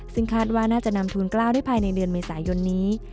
ซึ่งคาดว่าน่าจะนำทูลกล้าวได้ภายในเดือนเมษายนนี้